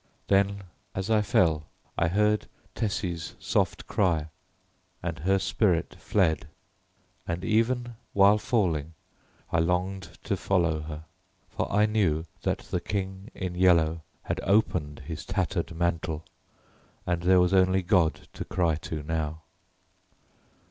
Then, as I fell, I heard Tessie's soft cry and her spirit fled: and even while falling I longed to follow her, for I knew that the King in Yellow had opened his tattered mantle and there was only God to cry to now.